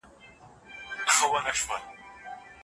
ایا سړی به نن د خپل ماشوم لپاره شیرني واخلي؟